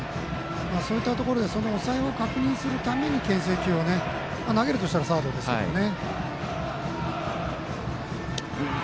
そういったところでその抑えを確認するためにけん制球を投げるとしたらサードですけどね。